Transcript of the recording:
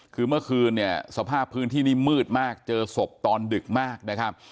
คือเมื่อคืนเนี่ยสภาพพื้นที่นี่มืดมากเจอศพตอนดึกมากนะครับ